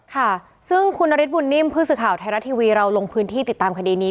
ค่ะซึ่งคุณนฤทธบุญนิ่มผู้สื่อข่าวไทยรัฐทีวีเราลงพื้นที่ติดตามคดีนี้